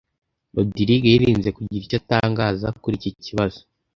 Rogride yirinze kugira icyo atangaza kuri iki kibazo.